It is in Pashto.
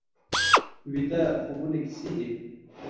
ویده خوبونه کیسې دي